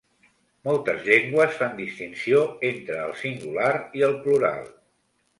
Moltes llengües fan distinció entre el singular i el plural.